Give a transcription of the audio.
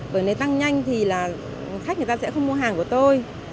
bởi nếu tăng nhanh thì là khách người ta sẽ không mua hàng của tôi